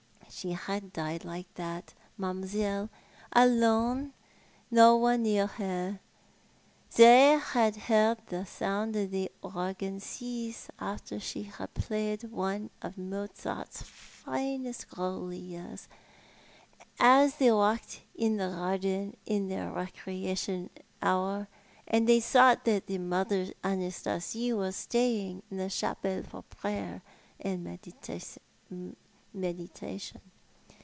She had died like that, mam'selle, alone, no one near her. They had heard the sound of tlie organ cease after she had played one of Mozart's finest glorias, as tlicy walked in the garden in their recreation hour, and they thought that Mother Anastasie was staying in the chaiiel for jiraycr and meditation.